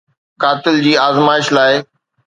قاتل جي آزمائش لاء